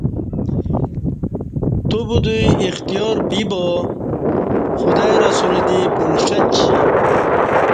توبدوی اختیار بیا خدا ی رسولہ دی پمݜٹچی